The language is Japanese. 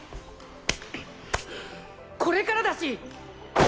これからだし！